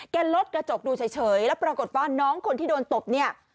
ลดกระจกดูเฉยแล้วปรากฏว่าน้องคนที่โดนตบเนี่ย